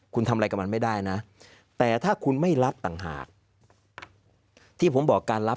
คุณทำอะไรกับมันไม่ได้นะแต่ถ้าคุณไม่รับต่างหากที่ผมบอกการรับ